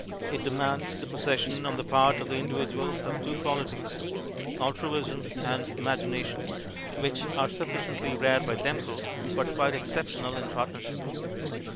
It de mands the possession on the part of the individual of two qualities altruism and imagination, which are sufficiently rare by themselves, but quite exceptional in partner ship.